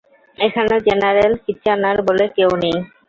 এখানে general Kitchener বলে কেউ নেই।